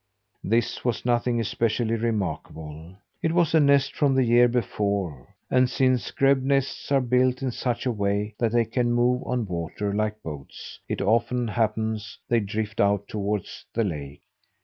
This was nothing especially remarkable. It was a nest from the year before; and since grebe nests are built in such a way that they can move on water like boats, it often happens that they drift out toward the lake.